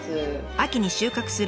秋に収穫する